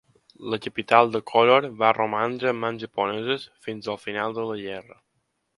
La capital de Koror va romandre en mans japoneses fins al final de la guerra.